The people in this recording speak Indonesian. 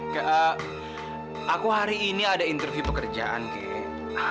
keh aku hari ini ada interview pekerjaan keh